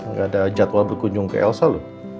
nggak ada jadwal berkunjung ke elsa loh